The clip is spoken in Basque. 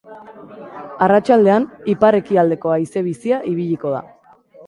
Arratsaldean ipar-ekialdeko haize bizia ibiliko da.